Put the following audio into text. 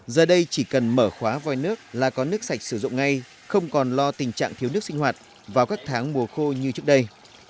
giờ đây chỉ cần mở khóa voi nước là có nước sạch sử dụng ngay không còn lo tình trạng thiếu nước sinh hoạt vào các tháng mùa khô như trước đây